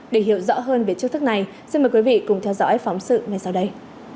để hiểu rõ hơn về chiêu thức này xin mời quý vị cùng theo dõi phóng sự ngay sau đây